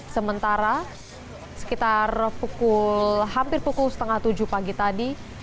sementara sekitar hampir pukul setengah tujuh pagi tadi